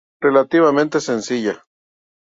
Relativamente sencilla.